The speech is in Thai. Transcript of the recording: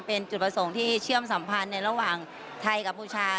เป็นจุดประสงค์ที่เชื่อมสัมพันธ์ในระหว่างไทยกับพูชา